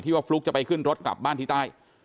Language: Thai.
ว่าฟลุ๊กจะไปขึ้นรถกลับบ้านที่ใต้